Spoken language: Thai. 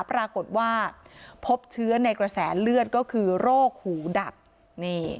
ปรากฏว่าพบเชื้อในกระแสเลือดก็คือโรคหูดับนี่